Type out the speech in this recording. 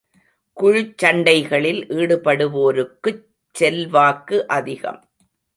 குழுச் சண்டைகளில் ஈடுபடுவோருக்குச் செல்வாக்கு அதிகம்.